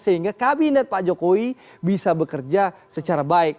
sehingga kabinet pak jokowi bisa bekerja secara baik